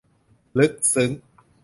ลึกซึ้ง